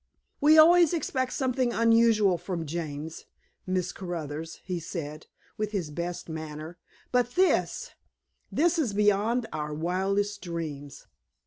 "We always expect something unusual from James, Miss Caruthers," he said, with his best manner, "but THIS this is beyond our wildest dreams."